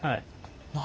何？